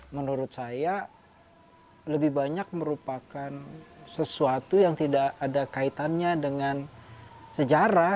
menurut saya lebih banyak merupakan sesuatu yang tidak ada kaitannya dengan sejarah